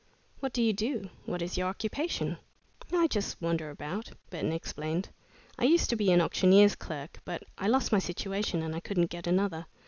"What do you do? What is your occupation?" "I just wander about," Burton explained. "I used to be an auctioneer's clerk, but I lost my situation and I couldn't get another."